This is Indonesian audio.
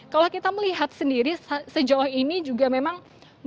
kalau kita melihat sendiri sejauh ini juga memang